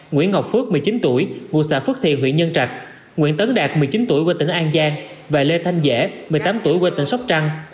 nguyễn ngọc phước một mươi chín tuổi ngụ xã phước thiện huyện nhân trạch nguyễn tấn đạt một mươi chín tuổi quê tỉnh an giang và lê thanh dễ một mươi tám tuổi quê tỉnh sóc trăng